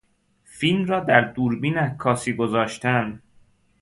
فیلم را در دوربین عکاسی گذاشتن